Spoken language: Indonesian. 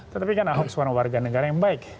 tetapi kan ahok seorang warga negara yang baik